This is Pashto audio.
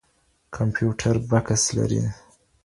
کمپيوټر بکس لري.